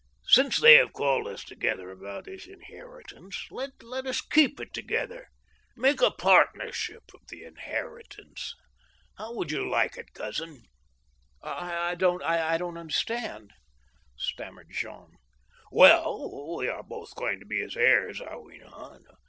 Since they have called us together about this inheritance, let us keep together, make a partnership of the inheritance. How would you like it, cousin ?"" I don't understand," stammered Jean. " Well, we are both going to be his heirs, are we not